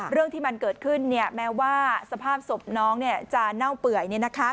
เรื่องที่มันเกิดขึ้นแม้ว่าสภาพศพน้องจะเน่าเปื่อย